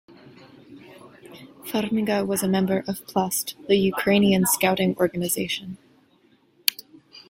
Farmiga was a member of Plast, the Ukrainian scouting organization.